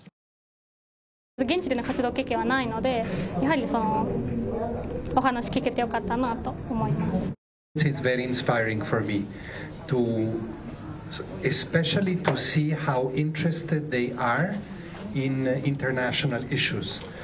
現地での活動経験はないのでお話聞けてよかったなと思います。